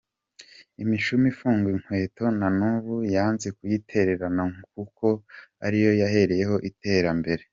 Imishumi ifunga inkweto nanubu yanze kuyitererana kuko ariyo yahereyeho iterambere.